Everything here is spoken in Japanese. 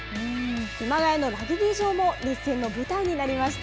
熊谷のラグビー場も熱戦の舞台になりました。